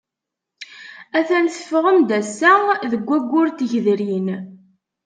Atan teffɣem-d ass-a deg waggur n tgedrin.